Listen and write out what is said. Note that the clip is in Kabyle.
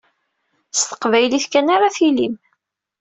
S teqbaylit kan ara tilim.